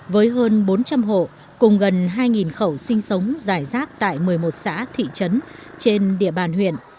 với hơn bốn trăm linh hộ cùng gần hai khẩu sinh sống giải rác tại một mươi một xã thị trấn trên địa bàn huyện